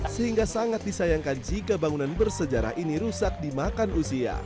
sehingga sangat disayangkan jika bangunan bersejarah ini rusak dimakan usia